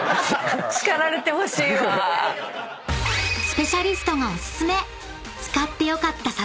［スペシャリストがお薦め］